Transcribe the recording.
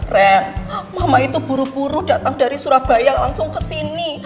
ren mama itu buru buru datang dari surabaya langsung kesini